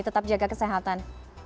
tetap jaga kesehatan